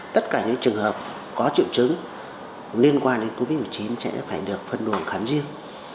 tất cả những trường hợp có triệu chứng liên quan đến covid một mươi chín sẽ phải được phân luồng khám riêng